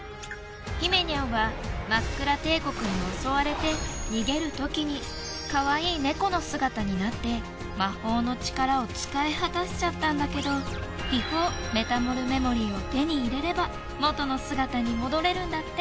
ひめにゃんはマックラ帝国に襲われて逃げるときにかわいいネコの姿になって魔法の力を使い果たしちゃったんだけど秘宝メタモルメモリーを手に入れれば元の姿に戻れるんだって。